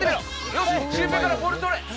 よしシュウペイからボール取れ！